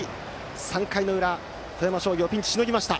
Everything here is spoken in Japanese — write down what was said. ３回の裏、富山商業はピンチをしのぎました。